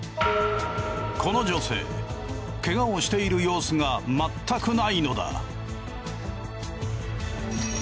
この女性怪我をしている様子がまったくないのだ。